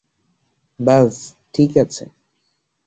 বায, ঠিক আছে।